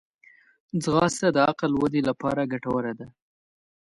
ځغاسته د عقل ودې لپاره ګټوره ده